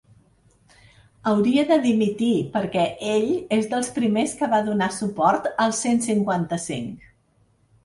Hauria de dimitir perquè ell és dels primers que va donar suport al cent cinquanta-cinc.